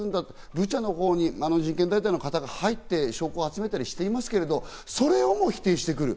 ブチャのほうに自警隊の方々が入って証拠集めをしていますけど、それをも否定している。